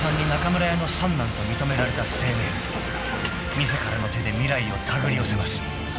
［自らの手で未来を手繰り寄せます］